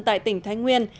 tại tỉnh thái nguyên